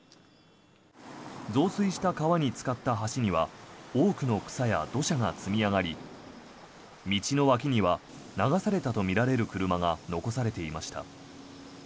増水した川につかった橋には多くの土砂や草が積み上がり道の脇には流されたとみられる車が残されていました。